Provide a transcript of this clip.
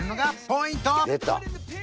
ポイント